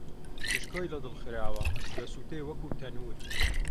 پشکۆی لە دڵ خراوە، دەسووتێ وەکوو تەنوور